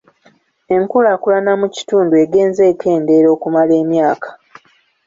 Enkulaakulana mu kitundu egenze ekendeera okumala emyaka.